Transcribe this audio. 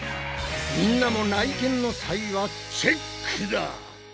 みんなも内見の際はチェックだ！